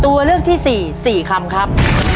ตัวเลือกที่๔๔คำครับ